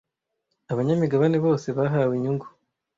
abanyamigabane bose bahawe inyungu